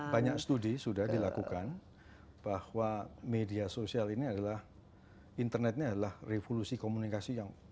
banyak studi sudah dilakukan bahwa media sosial ini adalah internet ini adalah revolusi komunikasi yang besar sekali